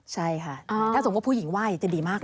ใช่ค่ะถ้าสมมุติผู้หญิงไหว้จะดีมากเลย